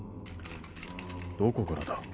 どこからだ？